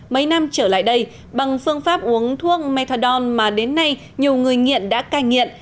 mấy năm trở lại đây bằng phương pháp uống thuốc methadon mà đến nay nhiều người nghiện đã cai nghiện